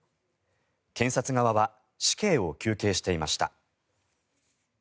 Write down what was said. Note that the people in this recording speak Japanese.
検察側は死刑を求刑していました。